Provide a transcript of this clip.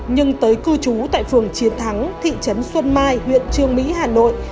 nhưng tới cư trú tại phường chiến thắng thị trấn xuân mai huyện trương mỹ hà nội